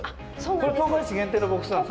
これ東海市限定のボックスなんですか。